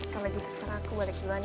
kamu ajutin sekarang aku balik duluan ya